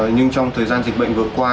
nhưng trong thời gian dịch bệnh vừa qua